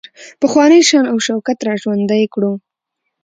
پخوانی شان او شوکت را ژوندی کړو.